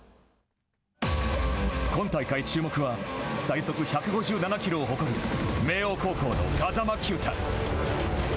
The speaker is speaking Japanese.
今大会注目は最速１５７キロを誇る明桜高校の風間球打。